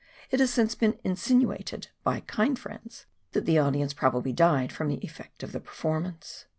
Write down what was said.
It has since been insinuated, by kind friends, that the audience probably died from the effect of the performance